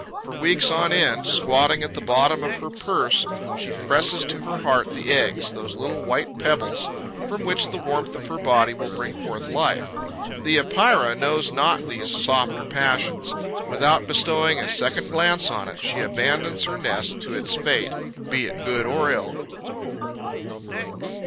For weeks on end, squatting at the bottom of her purse, she presses to her heart the eggs, those little white pebbles from which the warmth of her body will bring forth life. The Epeira knows not these softer passions. Without bestowing a second glance an it, she abandons her nest to its fate, be it good or ill.